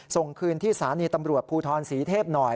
ส่งคืนที่สถานีตำรวจภูทรศรีเทพหน่อย